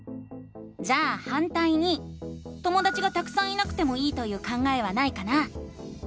じゃあ「反対に」ともだちがたくさんいなくてもいいという考えはないかな？